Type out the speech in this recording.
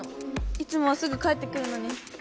いつもはすぐ返ってくるのに。